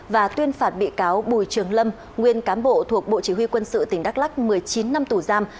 và tuyên phạt bị cáo bùi trường lâm nguyên cán bộ thuộc bộ chỉ huy quân sự tỉnh đắk lắc một mươi chín năm tù giam